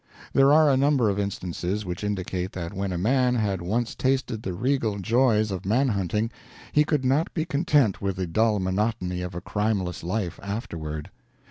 There are a number of instances which indicate that when a man had once tasted the regal joys of man hunting he could not be content with the dull monotony of a crimeless life after ward.